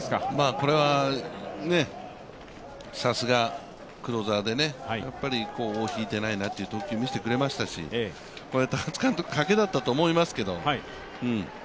これはさすがクローザーで、尾を引いていないなという投球を見せてくれましたし、これ、高津監督かけだったと思いますけど。